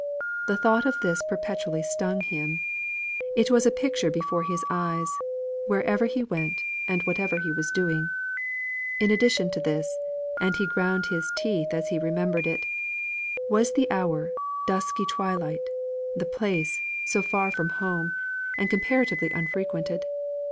The thought of this perpetually stung him; it was a picture before his eyes, wherever he went and whatever he was doing. In addition to this (and he ground his teeth as he remembered it), was the hour, dusky twilight; the place, so far away from home, and comparatively unfrequented.